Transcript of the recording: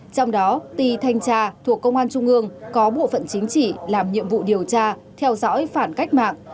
trong đó tì thanh tra thuộc công an trung ương có bộ phận chính trị làm nhiệm vụ điều tra theo dõi phản cách mạng